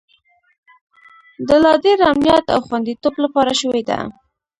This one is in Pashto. د لا ډیر امنیت او خوندیتوب لپاره شوې ده